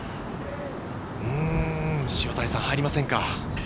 塩谷さん、入りませんか？